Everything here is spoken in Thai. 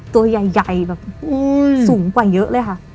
ตัวใหญ่แบบสูงกว่าเยอะเลยค่ะ